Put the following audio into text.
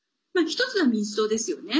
１つは民主党ですよね。